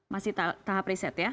masih tahap riset ya